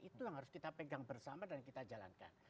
itu yang harus kita pegang bersama dan kita jalankan